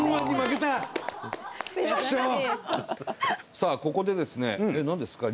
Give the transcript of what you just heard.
さあここでですね何ですか？